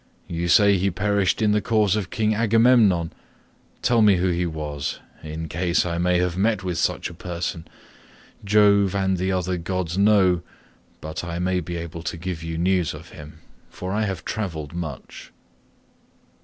You say he perished in the cause of King Agamemnon; tell me who he was, in case I may have met with such a person. Jove and the other gods know, but I may be able to give you news of him, for I have travelled much."